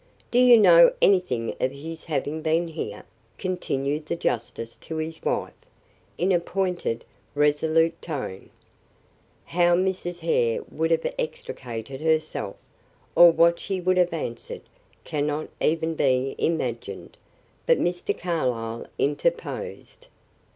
Do you know anything of his having been here?" continued the justice to his wife, in a pointed, resolute tone. How Mrs. Hare would have extricated herself, or what she would have answered, cannot even be imagined, but Mr. Carlyle interposed.